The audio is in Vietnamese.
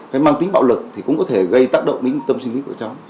cái mang tính bạo lực thì cũng có thể gây tác động đến tâm sinh lý của cháu